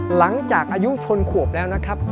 หลังจากอายุชนขวบแล้วนะครับ